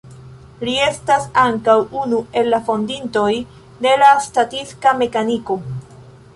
Li estas ankaŭ unu el la fondintoj de la statistika mekaniko.